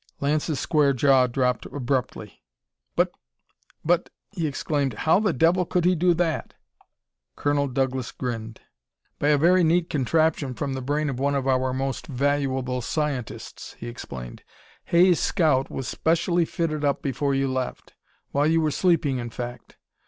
Lance's square jaw dropped abruptly. "But but " he exclaimed, "how the devil could he do that?" Colonel Douglas grinned. "By a very neat contraption from the brain of one of our most valuable scientists," he explained. "Hay's scout was specially fitted up before you left; while you were sleeping, in fact.